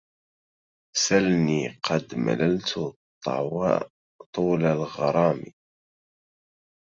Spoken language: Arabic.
سلني قد مللت طول الغرام